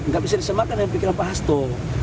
gak bisa disemakan dengan pikiran pak hasto